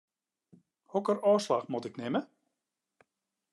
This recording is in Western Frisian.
Hokker ôfslach moat ik nimme?